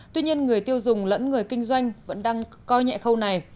tuy nhiên người tiêu dùng lẫn người kinh doanh vẫn đang coi nhẹ khâu này